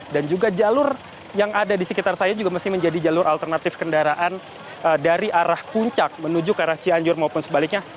dan juga jalur yang ada di sekitar saya juga masih menjadi jalur alternatif kendaraan dari arah puncak menuju ke arah cianjur maupun sebaliknya